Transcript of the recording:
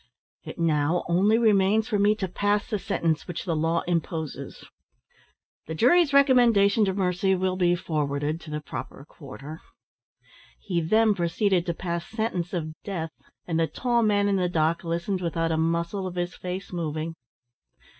It now only remains for me to pass the sentence which the law imposes. The jury's recommendation to mercy will be forwarded to the proper quarter...." He then proceeded to pass sentence of death, and the tall man in the dock listened without a muscle of his face moving.